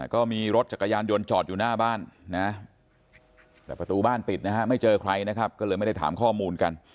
ก็มีรถจักรยานยนต์จอดอยู่หน้าบ้านนะแต่ประตูบ้านปิดนะฮะไม่เจอใครนะครับก็เลยไม่ได้ถามข้อมูลกัน